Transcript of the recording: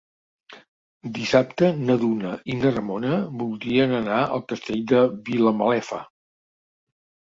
Dissabte na Duna i na Ramona voldrien anar al Castell de Vilamalefa.